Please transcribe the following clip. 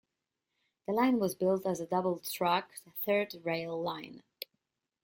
The line was built as a double track third rail line.